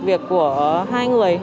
việc của hai người